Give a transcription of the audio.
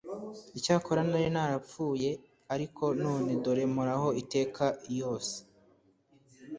Icyakora nari narapfuye ariko none dore mporaho iteka iyose,